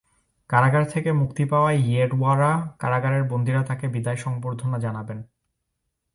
কারাগার থেকে মুক্তি পাওয়ায় ইয়েরওয়াড়া কারাগারের বন্দীরা তাঁকে বিদায় সংবর্ধনা জানাবেন।